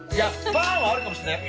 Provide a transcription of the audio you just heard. パンはあるかもしれない。